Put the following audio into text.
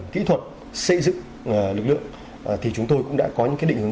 kỹ thuật xây dựng lực lượng thì chúng tôi cũng đã có những định hướng